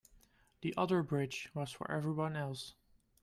The other bridge was for everyone else.